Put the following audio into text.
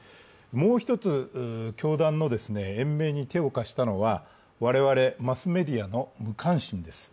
もう一つ、教団の延命に手を貸したのは我々マスメディアの無関心です。